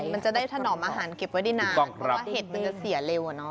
มันจะได้ถนอมอาหารเก็บไว้ได้นานเพราะว่าเห็ดมันจะเสียเร็วอะเนาะ